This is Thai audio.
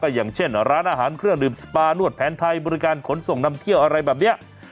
อย่างเช่นร้านอาหารเครื่องดื่มสปานวดแผนไทยบริการขนส่งนำเที่ยวอะไรแบบนี้